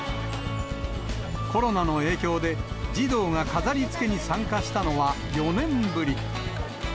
コロナの影響で、児童が飾りつけに参加したのは４年ぶり。